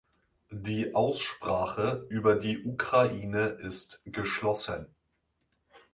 Die Aussprache über die Ukraine ist geschlossen.